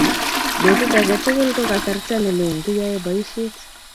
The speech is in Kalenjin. Petut age tugul ko kasarta nelelne kiyaei boisiet